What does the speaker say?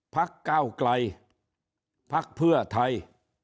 ภักดิ์เก้าไกลภักดิ์เพื่อไทย